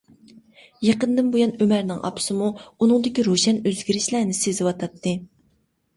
يېقىندىن بۇيان ئۆمەرنىڭ ئاپىسىمۇ ئۇنىڭدىكى روشەن ئۆزگىرىشلەرنى سېزىۋاتاتتى.